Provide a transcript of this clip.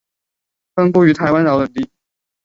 分布于台湾岛等地。